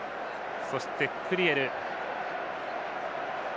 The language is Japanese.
そして、クリエル。